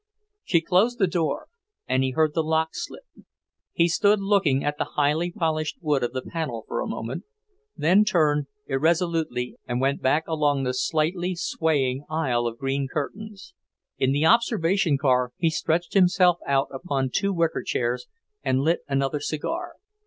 She closed the door, and he heard the lock slip. He stood looking at the highly polished wood of the panel for a moment, then turned irresolutely and went back along the slightly swaying aisle of green curtains. In the observation car he stretched himself out upon two wicker chairs and lit another cigar.